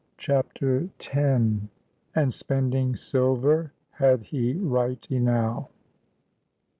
CHAPTER X. ' AND SPENDING SILVER HAD HE KIGHT YNOW.'